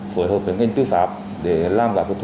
phối hợp với bên kênh đó thì tích cực